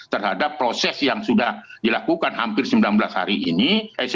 terhadap proses yang sudah dilakukan hampir sembilan belas hari ini